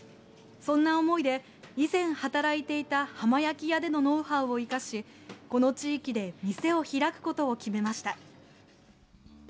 そんな思いで以前働いていた浜焼き屋でのノウハウを生かしこの地域で店を開くことを決めました。